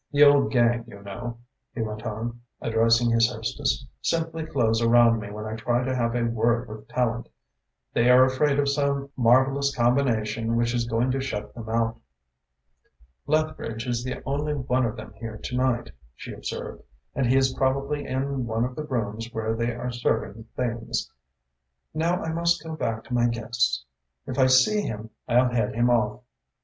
The old gang, you know," he went on, addressing his hostess, "simply close around me when I try to have a word with Tallente. They are afraid of some marvellous combination which is going to shut them out." "Lethbridge is the only one of them here to night," She observed, "and he is probably in one of the rooms where they are serving things. Now I must go back to my guests. If I see him, I'll head him off."